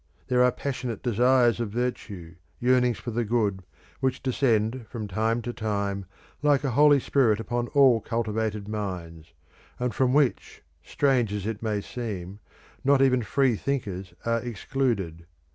There are passionate desires of virtue, yearnings for the good, which descend from time to time like a holy spirit upon all cultivated minds, and from which, strange as it may seem, not even free thinkers are excluded.